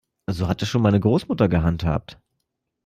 So hat es schon meine Großmutter gehandhabt.